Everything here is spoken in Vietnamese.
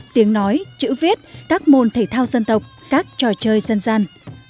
tiếng nói chữ viết các môn thể thao dân tộc các trò chơi dân gian